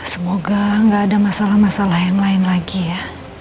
semoga nggak ada masalah masalah yang lain lagi ya